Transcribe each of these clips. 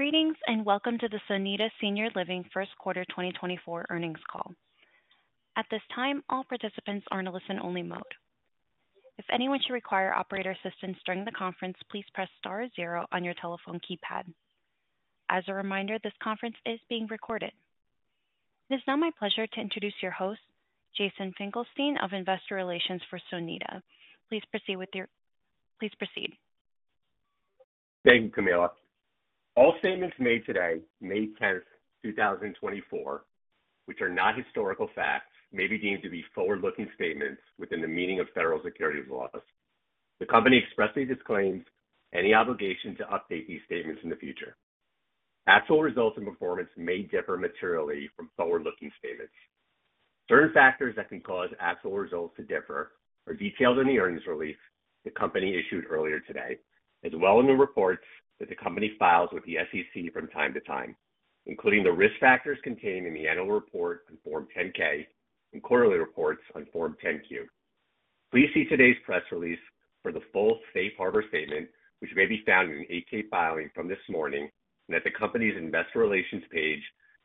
Greetings, and welcome to the Sonida Senior Living First Quarter 2024 Earnings Call. At this time, all participants are in a listen-only mode. If anyone should require operator assistance during the conference, please press star zero on your telephone keypad. As a reminder, this conference is being recorded. It is now my pleasure to introduce your host, Jason Finkelstein, of Investor Relations for Sonida. Please proceed. Thank you, Camilla. All statements made today, May tenth, two thousand twenty-four, which are not historical facts, may be deemed to be forward-looking statements within the meaning of federal securities laws. The company expressly disclaims any obligation to update these statements in the future. Actual results and performance may differ materially from forward-looking statements. Certain factors that can cause actual results to differ are detailed in the earnings release the company issued earlier today, as well in the reports that the company files with the SEC from time to time, including the risk factors contained in the annual report on Form 10-K and quarterly reports on Form 10-Q. Please see today's press release for the full safe harbor statement, which may be found in an 8-K filing from this morning, and at the company's investor relations page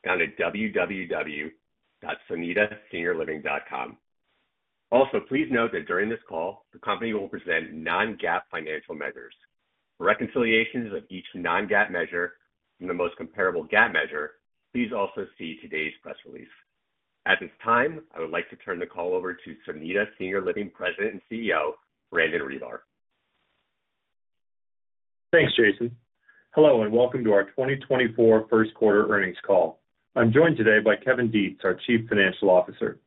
found at www.sonidaseniorliving.com. Also, please note that during this call, the company will present non-GAAP financial measures. For reconciliations of each non-GAAP measure and the most comparable GAAP measure, please also see today's press release. At this time, I would like to turn the call over to Sonida Senior Living President and CEO, Brandon Ribar. Thanks, Jason. Hello, and welcome to our 2024 First Quarter Earnings Call. I'm joined today by Kevin Detz, our Chief Financial Officer.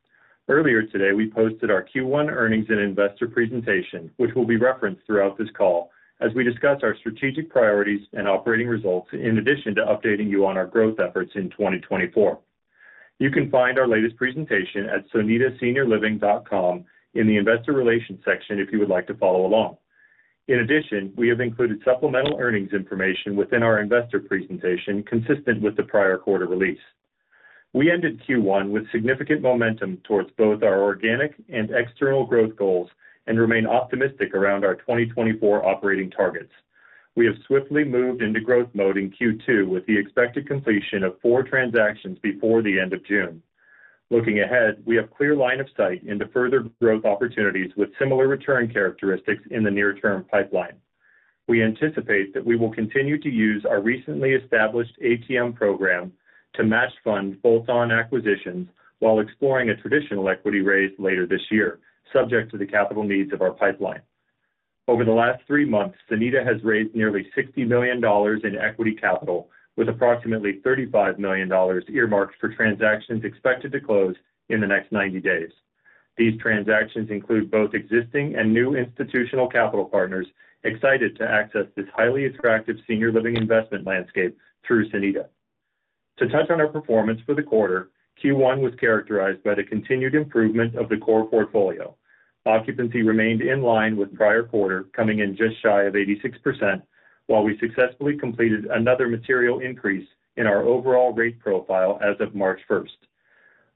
Earlier today, we posted our Q1 earnings and investor presentation, which will be referenced throughout this call as we discuss our strategic priorities and operating results, in addition to updating you on our growth efforts in 2024. You can find our latest presentation at sonidaseniorliving.com in the Investor Relations section, if you would like to follow along. In addition, we have included supplemental earnings information within our investor presentation, consistent with the prior quarter release. We ended Q1 with significant momentum towards both our organic and external growth goals and remain optimistic around our 2024 operating targets. We have swiftly moved into growth mode in Q2 with the expected completion of 4 transactions before the end of June. Looking ahead, we have clear line of sight into further growth opportunities with similar return characteristics in the near-term pipeline. We anticipate that we will continue to use our recently established ATM program to match fund bolt-on acquisitions while exploring a traditional equity raise later this year, subject to the capital needs of our pipeline. Over the last three months, Sonida has raised nearly $60 million in equity capital, with approximately $35 million earmarked for transactions expected to close in the next 90 days. These transactions include both existing and new institutional capital partners, excited to access this highly attractive senior living investment landscape through Sonida. To touch on our performance for the quarter, Q1 was characterized by the continued improvement of the core portfolio. Occupancy remained in line with prior quarter, coming in just shy of 86%, while we successfully completed another material increase in our overall rate profile as of March first.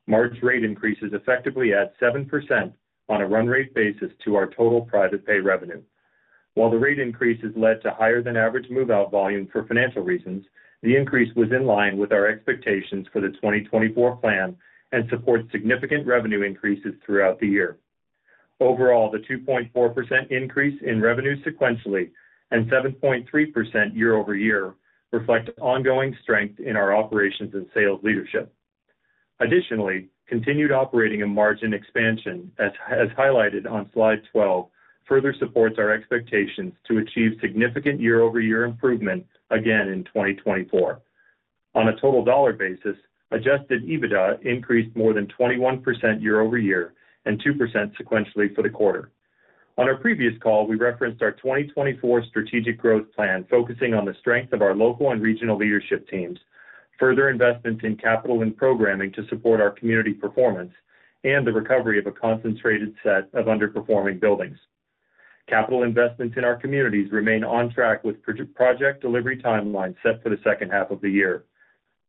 March rate increases effectively add 7% on a run rate basis to our total private pay revenue. While the rate increases led to higher than average move-out volume for financial reasons, the increase was in line with our expectations for the 2024 plan and supports significant revenue increases throughout the year. Overall, the 2.4% increase in revenue sequentially and 7.3% year-over-year reflect ongoing strength in our operations and sales leadership. Additionally, continued operating and margin expansion, as highlighted on Slide 12, further supports our expectations to achieve significant year-over-year improvement again in 2024. On a total dollar basis, adjusted EBITDA increased more than 21% year-over-year and 2% sequentially for the quarter. On our previous call, we referenced our 2024 strategic growth plan, focusing on the strength of our local and regional leadership teams, further investments in capital and programming to support our community performance, and the recovery of a concentrated set of underperforming buildings. Capital investments in our communities remain on track with project delivery timelines set for the second half of the year.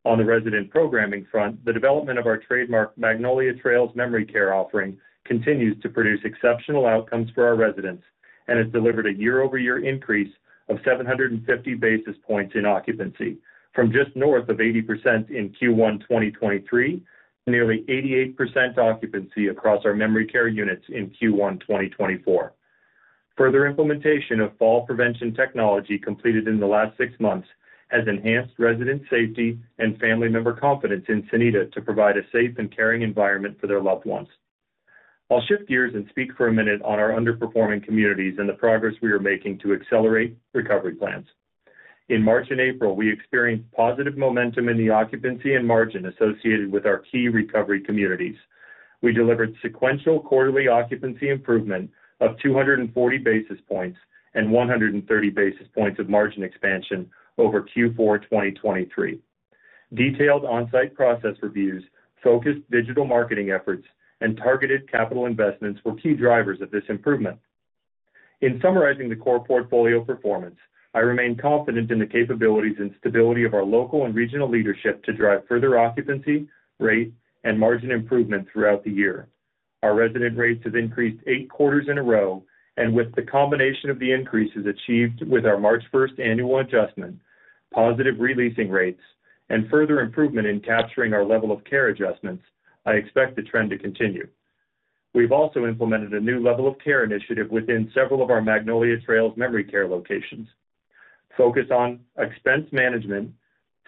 On the resident programming front, the development of our trademark Magnolia Trails memory care offering continues to produce exceptional outcomes for our residents and has delivered a year-over-year increase of 750 basis points in occupancy, from just north of 80% in Q1 2023 to nearly 88% occupancy across our memory care units in Q1 2024. Further implementation of fall prevention technology completed in the last six months has enhanced resident safety and family member confidence in Sonida to provide a safe and caring environment for their loved ones. I'll shift gears and speak for a minute on our underperforming communities and the progress we are making to accelerate recovery plans. In March and April, we experienced positive momentum in the occupancy and margin associated with our key recovery communities. We delivered sequential quarterly occupancy improvement of 240 basis points and 130 basis points of margin expansion over Q4 2023. Detailed onsite process reviews, focused digital marketing efforts, and targeted capital investments were key drivers of this improvement. In summarizing the core portfolio performance, I remain confident in the capabilities and stability of our local and regional leadership to drive further occupancy, rate, and margin improvement throughout the year.... Our resident rates have increased eight quarters in a row, and with the combination of the increases achieved with our March first annual adjustment, positive re-leasing rates, and further improvement in capturing our level of care adjustments, I expect the trend to continue. We've also implemented a new level of care initiative within several of our Magnolia Trails memory care locations. Focus on expense management,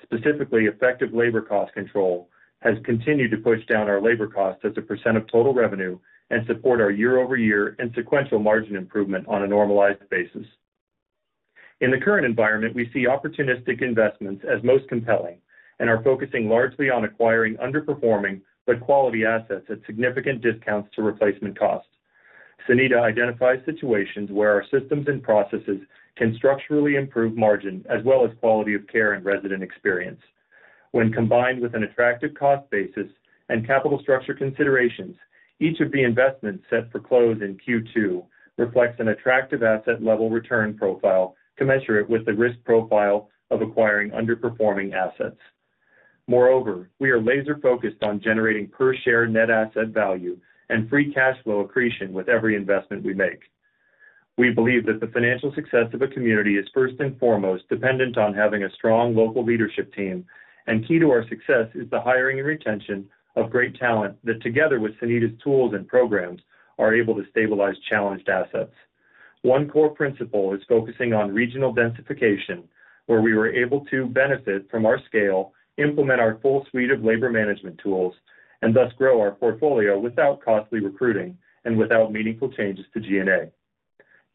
specifically effective labor cost control, has continued to push down our labor costs as a percent of total revenue and support our year-over-year and sequential margin improvement on a normalized basis. In the current environment, we see opportunistic investments as most compelling and are focusing largely on acquiring underperforming, but quality assets at significant discounts to replacement costs. Sonida identifies situations where our systems and processes can structurally improve margin, as well as quality of care and resident experience. When combined with an attractive cost basis and capital structure considerations, each of the investments set for close in Q2 reflects an attractive asset level return profile to measure it with the risk profile of acquiring underperforming assets. Moreover, we are laser-focused on generating per share net asset value and free cash flow accretion with every investment we make. We believe that the financial success of a community is first and foremost dependent on having a strong local leadership team, and key to our success is the hiring and retention of great talent that, together with Sonida's tools and programs, are able to stabilize challenged assets. One core principle is focusing on regional densification, where we were able to benefit from our scale, implement our full suite of labor management tools, and thus grow our portfolio without costly recruiting and without meaningful changes to G&A.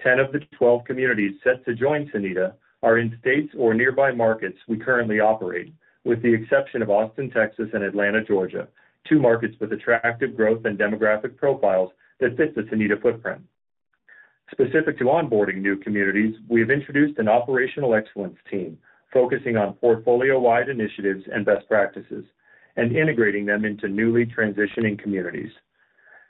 10 of the 12 communities set to join Sonida are in states or nearby markets we currently operate, with the exception of Austin, Texas, and Atlanta, Georgia, two markets with attractive growth and demographic profiles that fit the Sonida footprint. Specific to onboarding new communities, we have introduced an operational excellence team focusing on portfolio-wide initiatives and best practices, and integrating them into newly transitioning communities.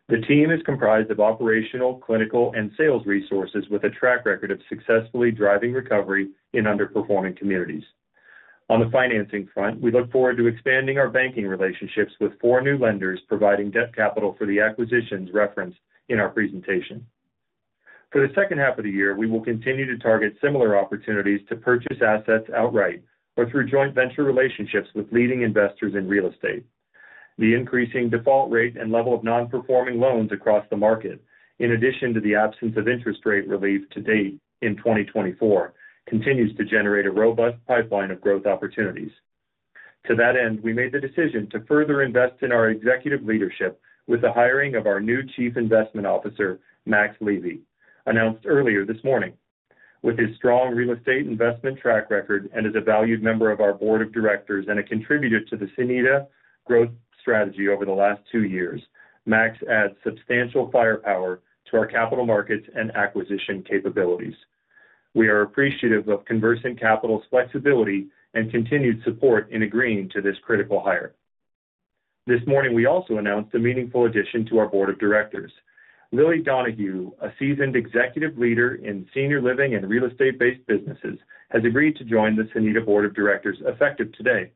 The team is comprised of operational, clinical, and sales resources with a track record of successfully driving recovery in underperforming communities. On the financing front, we look forward to expanding our banking relationships with 4 new lenders, providing debt capital for the acquisitions referenced in our presentation. For the second half of the year, we will continue to target similar opportunities to purchase assets outright or through joint venture relationships with leading investors in real estate. The increasing default rate and level of non-performing loans across the market, in addition to the absence of interest rate relief to date in 2024, continues to generate a robust pipeline of growth opportunities. To that end, we made the decision to further invest in our executive leadership with the hiring of our new Chief Investment Officer, Max Levy, announced earlier this morning. With his strong real estate investment track record, and as a valued member of our board of directors and a contributor to the Sonida growth strategy over the last two years, Max adds substantial firepower to our capital markets and acquisition capabilities. We are appreciative of Conversant Capital's flexibility and continued support in agreeing to this critical hire. This morning, we also announced a meaningful addition to our board of directors. Lilly Donohue, a seasoned executive leader in senior living and real estate-based businesses, has agreed to join the Sonida board of directors, effective today.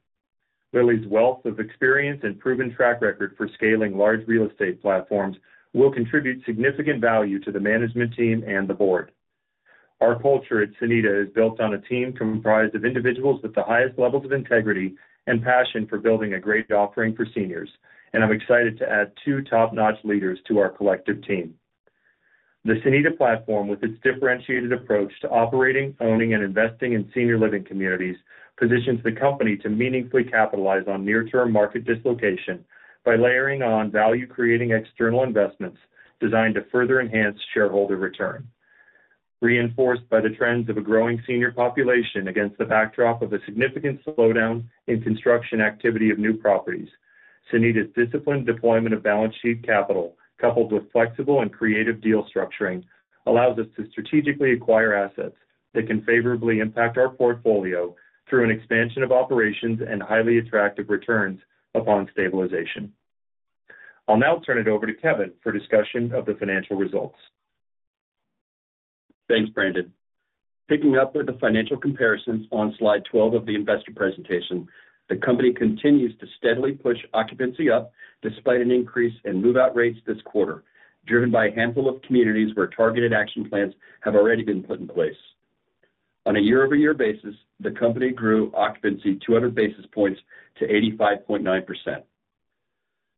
Lilly's wealth of experience and proven track record for scaling large real estate platforms will contribute significant value to the management team and the board. Our culture at Sonida is built on a team comprised of individuals with the highest levels of integrity and passion for building a great offering for seniors, and I'm excited to add two top-notch leaders to our collective team. The Sonida platform, with its differentiated approach to operating, owning, and investing in senior living communities, positions the company to meaningfully capitalize on near-term market dislocation by layering on value-creating external investments designed to further enhance shareholder return. Reinforced by the trends of a growing senior population against the backdrop of a significant slowdown in construction activity of new properties, Sonida's disciplined deployment of balance sheet capital, coupled with flexible and creative deal structuring, allows us to strategically acquire assets that can favorably impact our portfolio through an expansion of operations and highly attractive returns upon stabilization. I'll now turn it over to Kevin for discussion of the financial results. Thanks, Brandon. Picking up with the financial comparisons on Slide 12 of the investor presentation, the company continues to steadily push occupancy up despite an increase in move-out rates this quarter, driven by a handful of communities where targeted action plans have already been put in place. On a year-over-year basis, the company grew occupancy 200 basis points to 85.9%.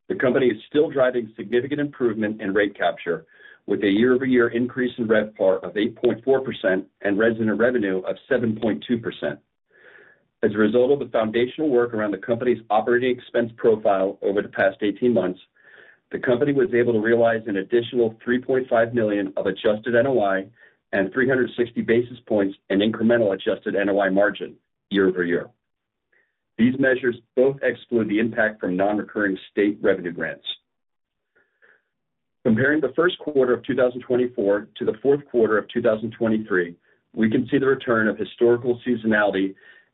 The company is still driving significant improvement in rate capture, with a year-over-year increase in RevPAR of 8.4% and resident revenue of 7.2%. As a result of the foundational work around the company's operating expense profile over the past 18 months, the company was able to realize an additional $3.5 million of adjusted NOI and 360 basis points in incremental adjusted NOI margin year-over-year. These measures both exclude the impact from non-recurring state revenue grants. Comparing the first quarter of 2024 to the fourth quarter of 2023, we can see the return of historical seasonality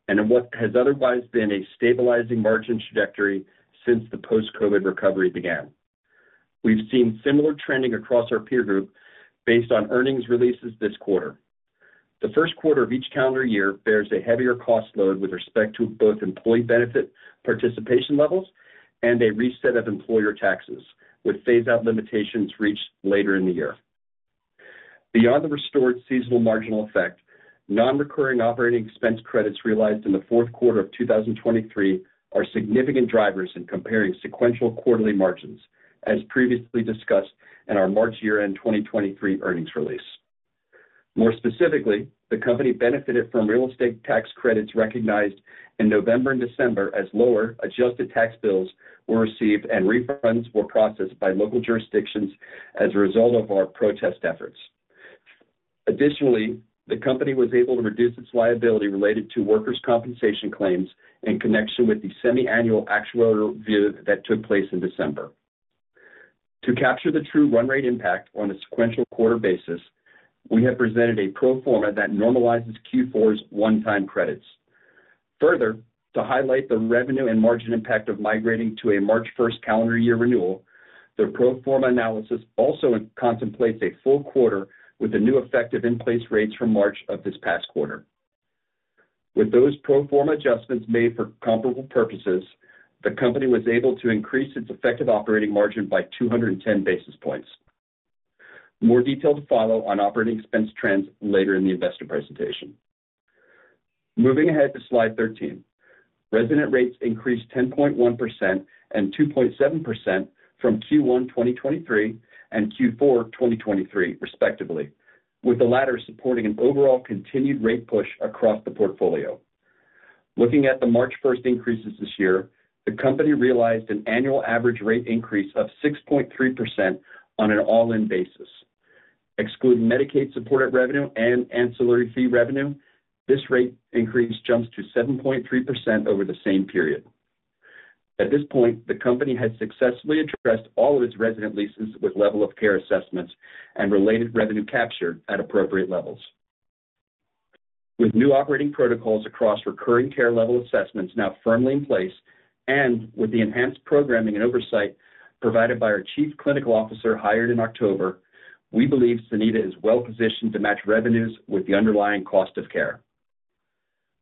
and in what has otherwise been a stabilizing margin trajectory since the post-COVID recovery began. We've seen similar trending across our peer group based on earnings releases this quarter.... The first quarter of each calendar year bears a heavier cost load with respect to both employee benefit participation levels and a reset of employer taxes, with phase-out limitations reached later in the year. Beyond the restored seasonal marginal effect, non-recurring operating expense credits realized in the fourth quarter of 2023 are significant drivers in comparing sequential quarterly margins, as previously discussed in our March year-end 2023 earnings release. More specifically, the company benefited from real estate tax credits recognized in November and December as lower adjusted tax bills were received and refunds were processed by local jurisdictions as a result of our protest efforts. Additionally, the company was able to reduce its liability related to workers' compensation claims in connection with the semiannual actuarial review that took place in December. To capture the true run rate impact on a sequential quarter basis, we have presented a pro forma that normalizes Q4's one-time credits. Further, to highlight the revenue and margin impact of migrating to a March first calendar year renewal, the pro forma analysis also contemplates a full quarter with the new effective in-place rates from March of this past quarter. With those pro forma adjustments made for comparable purposes, the company was able to increase its effective operating margin by 210 basis points. More detail to follow on operating expense trends later in the investor presentation. Moving ahead to Slide 13. Resident rates increased 10.1% and 2.7% from Q1 2023 and Q4 2023, respectively, with the latter supporting an overall continued rate push across the portfolio. Looking at the March 1 increases this year, the company realized an annual average rate increase of 6.3% on an all-in basis. Excluding Medicaid supported revenue and ancillary fee revenue, this rate increase jumps to 7.3% over the same period. At this point, the company has successfully addressed all of its resident leases with level of care assessments and related revenue capture at appropriate levels. With new operating protocols across recurring care level assessments now firmly in place, and with the enhanced programming and oversight provided by our Chief Clinical Officer, hired in October, we believe Sonida is well positioned to match revenues with the underlying cost of care.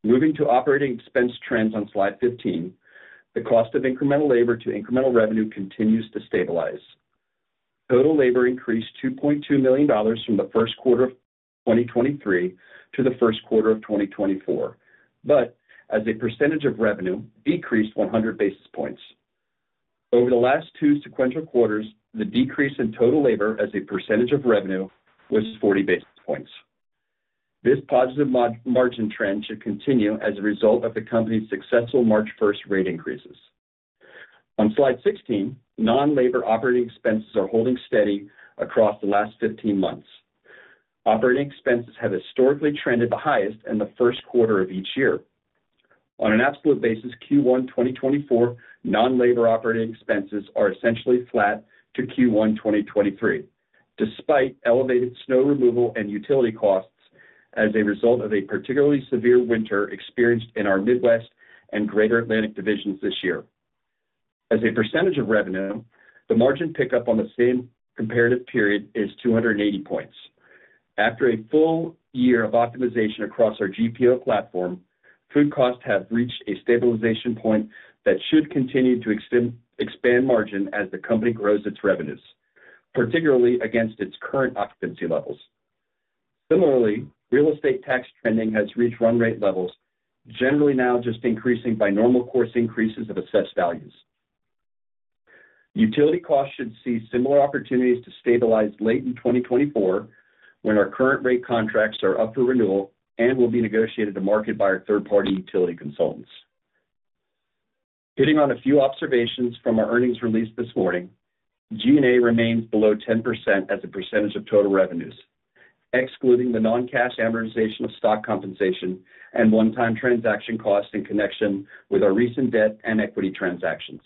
Moving to operating expense trends on Slide 15, the cost of incremental labor to incremental revenue continues to stabilize. Total labor increased $2.2 million from the first quarter of 2023 to the first quarter of 2024, but as a percentage of revenue, decreased 100 basis points. Over the last two sequential quarters, the decrease in total labor as a percentage of revenue was 40 basis points. This positive margin trend should continue as a result of the company's successful March 1 rate increases. On Slide 16, non-labor operating expenses are holding steady across the last 15 months. Operating expenses have historically trended the highest in the first quarter of each year. On an absolute basis, Q1 2024 non-labor operating expenses are essentially flat to Q1 2023, despite elevated snow removal and utility costs as a result of a particularly severe winter experienced in our Midwest and Greater Atlantic divisions this year. As a percentage of revenue, the margin pickup on the same comparative period is 280 points. After a full year of optimization across our GPO platform, food costs have reached a stabilization point that should continue to expand margin as the company grows its revenues, particularly against its current occupancy levels. Similarly, real estate tax trending has reached run rate levels, generally now just increasing by normal course increases of assessed values. Utility costs should see similar opportunities to stabilize late in 2024, when our current rate contracts are up for renewal and will be negotiated to market by our third-party utility consultants. Hitting on a few observations from our earnings release this morning, G&A remains below 10% as a percentage of total revenues, excluding the non-cash amortization of stock compensation and one-time transaction costs in connection with our recent debt and equity transactions.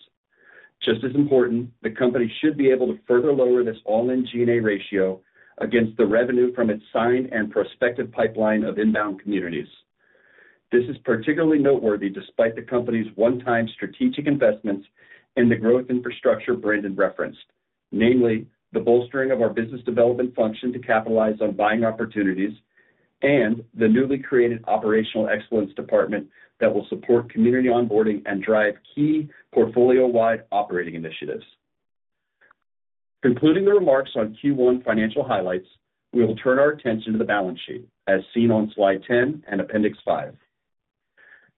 Just as important, the company should be able to further lower this all-in G&A ratio against the revenue from its signed and prospective pipeline of inbound communities. This is particularly noteworthy despite the company's one-time strategic investments in the growth infrastructure Brandon referenced, namely, the bolstering of our business development function to capitalize on buying opportunities and the newly created operational excellence department that will support community onboarding and drive key portfolio-wide operating initiatives. Concluding the remarks on Q1 financial highlights, we will turn our attention to the balance sheet, as seen on Slide 10 and Appendix 5.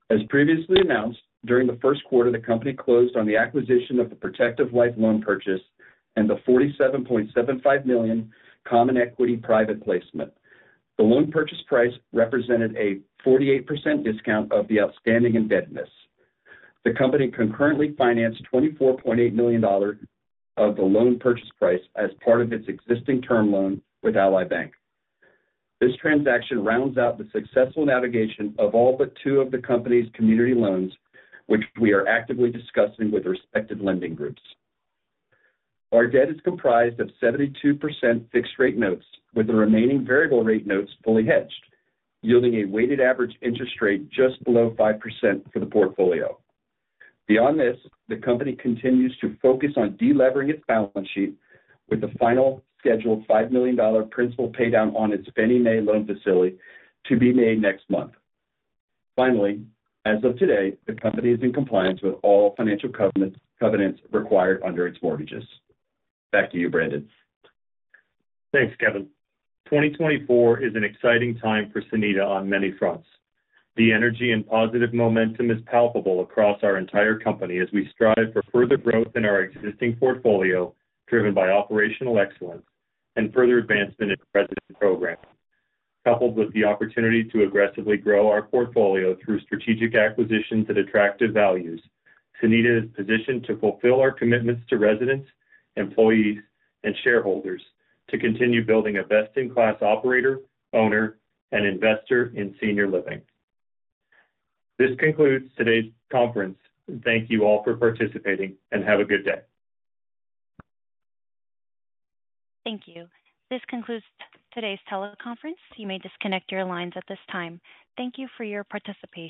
As previously announced, during the first quarter, the company closed on the acquisition of the Protective Life loan purchase and the $47.75 million common equity private placement. The loan purchase price represented a 48% discount of the outstanding indebtedness. The company concurrently financed $24.8 million of the loan purchase price as part of its existing term loan with Ally Bank. This transaction rounds out the successful navigation of all but two of the company's community loans, which we are actively discussing with respective lending groups. Our debt is comprised of 72% fixed-rate notes, with the remaining variable rate notes fully hedged, yielding a weighted average interest rate just below 5% for the portfolio. Beyond this, the company continues to focus on delivering its balance sheet with the final scheduled $5 million principal paydown on its Fannie Mae loan facility to be made next month. Finally, as of today, the company is in compliance with all financial covenants, covenants required under its mortgages. Back to you, Brandon. Thanks, Kevin. 2024 is an exciting time for Sonida on many fronts. The energy and positive momentum is palpable across our entire company as we strive for further growth in our existing portfolio, driven by operational excellence and further advancement in resident programming. Coupled with the opportunity to aggressively grow our portfolio through strategic acquisitions at attractive values, Sonida is positioned to fulfill our commitments to residents, employees, and shareholders to continue building a best-in-class operator, owner, and investor in senior living. This concludes today's conference, and thank you all for participating, and have a good day. Thank you. This concludes today's teleconference. You may disconnect your lines at this time. Thank you for your participation.